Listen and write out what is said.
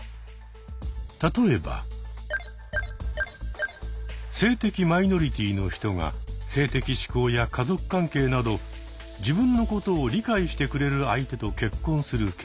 例えば性的マイノリティーの人が性的指向や家族関係など自分のことを理解してくれる相手と結婚するケース。